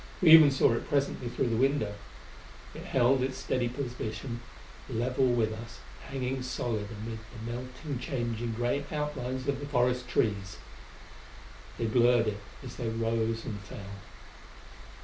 We even saw it presently through the window. It held its steady position, level with us, hanging solid amid the melting, changing gray outlines of the forest trees. They blurred it as they rose and fell.